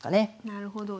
なるほど。